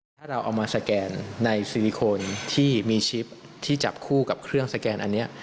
ถ้าเราเอามาสแกนในซิลิโคนที่มีชิปที่จับคู่กับเครื่องสแกนอันนี้